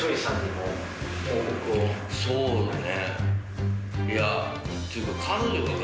そうね。